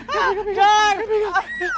aku kok pingsan rasanya